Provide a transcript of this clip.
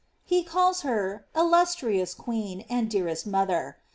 He calls her ^* illustrious queen, and dearest mother."